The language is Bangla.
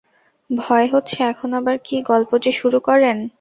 ভয় হচ্ছে, এখন আবার কী গল্প যে শুরু করেন।